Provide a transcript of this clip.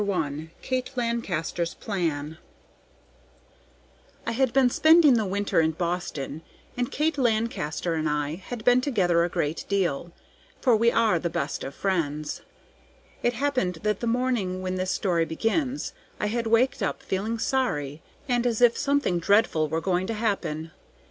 BONNY IN SHADOW MISS CHAUNCEY LAST DAYS IN DEEPHAVEN Kate Lancaster's Plan I had been spending the winter in Boston, and Kate Lancaster and I had been together a great deal, for we are the best of friends. It happened that the morning when this story begins I had waked up feeling sorry, and as if something dreadful were going to happen.